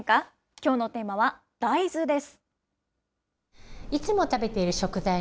きょうのテーマは大豆です。